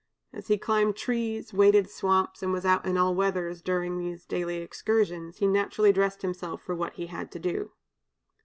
As he climbed trees, waded swamps, and was out in all weathers during his daily excursions, he naturally dressed himself for what he had to do.